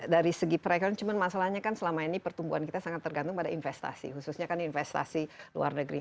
dari segi perekonomian cuman masalahnya kan selama ini pertumbuhan kita sangat tergantung pada investasi khususnya kan investasi luar negeri